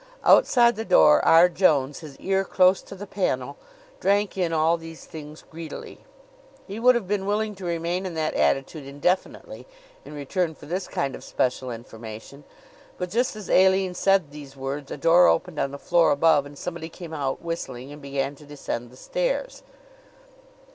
Outside the door R. Jones, his ear close to the panel, drank in all these things greedily. He would have been willing to remain in that attitude indefinitely in return for this kind of special information; but just as Aline said these words a door opened on the floor above, and somebody came out, whistling, and began to descend the stairs.